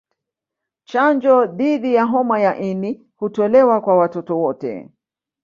Chanjo dhidi ya homa ya ini hutolewa kwa watoto wote